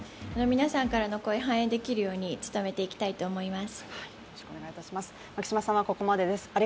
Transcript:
皆さんからの声反映できるように努めていきたいと思います。